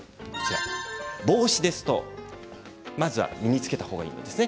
帽子ですまずは身につけた方がいいですね。